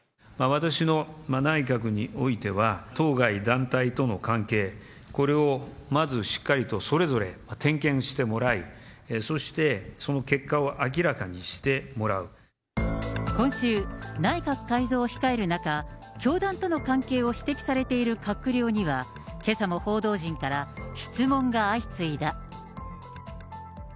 私の内閣においては、当該団体との関係、これをまずしっかりとそれぞれ点検してもらい、そして、今週、内閣改造を控える中、教団との関係を指摘されている閣僚には、けさも報道陣から質問が相次いだ。